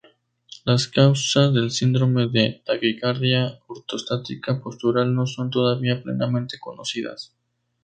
Las causas del Síndrome de Taquicardia Ortostática Postural no son todavía plenamente conocidas.